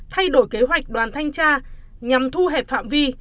thay đổi kế hoạch đoàn thanh tra nhằm thu hẹp phạm vi